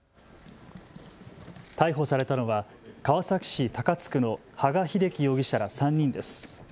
逮捕されたのは川崎市高津区の羽賀秀樹容疑者ら３人です。